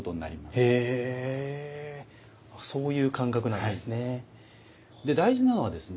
へぇそういう感覚なんですね。